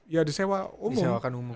ya disewa umum